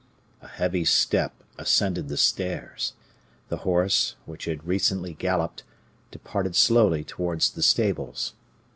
A heavy step ascended the stairs; the horse, which had recently galloped, departed slowly towards the stables.